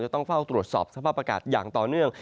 ต้องเฝ้าตรวจสอบสภาพอากาศอย่างต่อเนื่อง